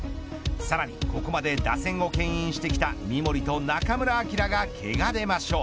さらに、ここまで打線をけん引してきた三森と中村晃がけがで抹消。